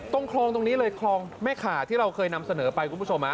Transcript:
ตรงคลองตรงนี้เลยคลองแม่ขาที่เราเคยนำเสนอไปคุณผู้ชม